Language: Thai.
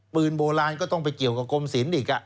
ปืนโบราณก็ต้องไปเกี่ยวกับกรมศิลป์อีก